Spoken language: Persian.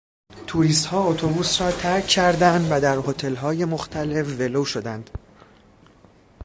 توریستها اتوبوس را ترک کردند و در هتلهای مختلف ولو شدند.